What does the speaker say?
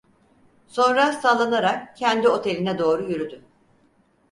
Sonra sallanarak kendi oteline doğru yürüdü.